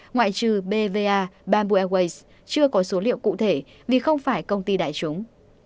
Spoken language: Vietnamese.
ngoại trừ bva bamboo airways chưa có số liệu cụ thể vì không phải công ty đại chúng